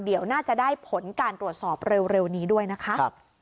เดี๋ยวน่าจะได้ผลการตรวจสอบเร็วนี้ด้วยนะคะ